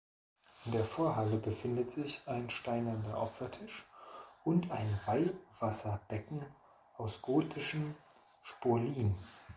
In der Vorhalle befindet sich ein steinerner Opfertisch und ein Weihwasserbecken aus gotischen Spolien.